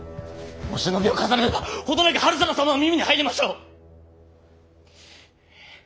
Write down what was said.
お忍びを重ねれば程なく治済様の耳に入りましょう。